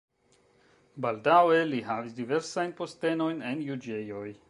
Baldaŭe li havis diversajn postenojn en juĝejoj.